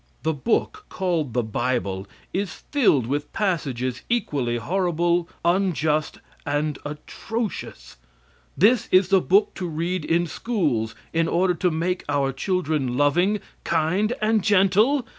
The book, called the bible, is filled with passages equally horrible, unjust and atrocious. This is the book to read in schools in order to make our children loving, kind and gentle!